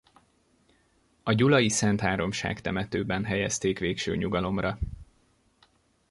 A gyulai Szentháromság temetőben helyezték végső nyugalomra.